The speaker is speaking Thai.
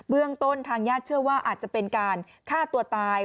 เรื่องต้นทางญาติเชื่อว่าอาจจะเป็นการฆ่าตัวตาย